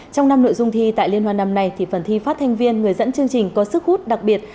trong năm nội dung thi tại liên hoan năm nay thì phần thi phát thanh viên người dẫn chương trình có sức hút đặc biệt